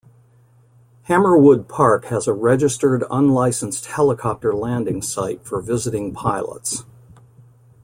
Hammerwood Park has a registered unlicensed helicopter landing site for visiting pilots.